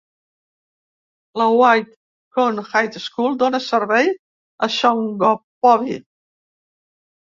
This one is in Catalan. La White Cone High School dóna servei a Shongopovi.